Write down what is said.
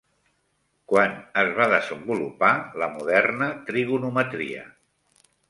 Quan es va desenvolupar la moderna trigonometria?